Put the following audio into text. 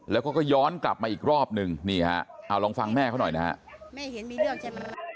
แล้วก็ย้อนกลับมาอีกรอบนึงนี่ฮะเอาลองฟังแม่เขาหน่อยนะฮะ